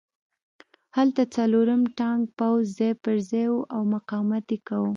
هلته څلورم ټانک پوځ ځای پرځای و او مقاومت یې کاوه